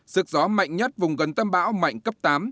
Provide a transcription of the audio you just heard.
sức gió mạnh nhất vùng gần tâm bão mạnh cấp tám